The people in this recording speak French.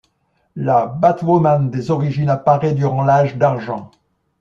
La Batwoman des origines apparaît durant l'âge d'argent.